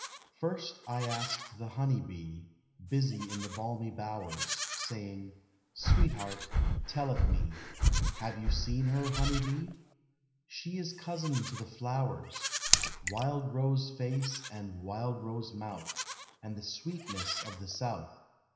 First I asked the honey bee, Busy in the balmy bowers; Saying, "Sweetheart, tell it me: Have you seen her, honey bee? She is cousin to the flowers Wild rose face and wild rose mouth, And the sweetness of the south."